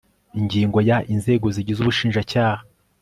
Ingingo ya Inzego zigize Ubushinjacyaha